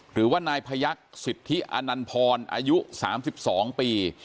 หรือว่านายพยักษ์สิทธิอนันพรอายุ๓๒ปี